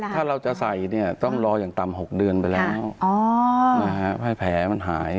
ถ้าเราจะใส่เนี่ยต้องรออย่างต่ำ๖เดือนไปแล้วให้แผลมันหาย